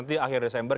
nanti akhir desember